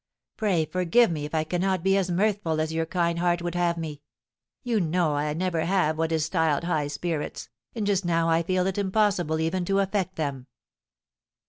"Pray forgive me if I cannot be as mirthful as your kind heart would have me; you know I never have what is styled high spirits, and just now I feel it impossible even to affect them."